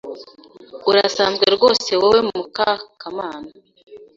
Urasanzwe rwose wowe muka Kamana.